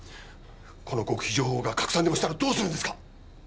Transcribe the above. この極秘情報が拡散でもしたらどうするんですか？